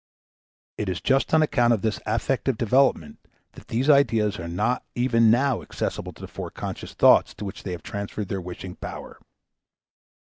It is just on account of this affective development that these ideas are not even now accessible to the foreconscious thoughts to which they have transferred their wishing power.